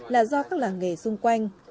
là do các làng nghề xung quanh